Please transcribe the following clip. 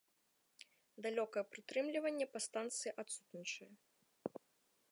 Далёкае прытрымліванне па станцыі адсутнічае.